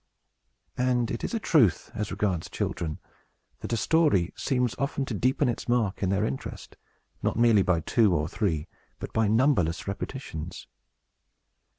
And it is a truth, as regards children, that a story seems often to deepen its mark in their interest, not merely by two or three, but by numberless repetitions.